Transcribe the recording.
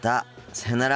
さようなら。